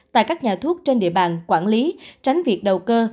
tại các nhà thuốc trên địa bàn quản lý tránh việc đầu cơ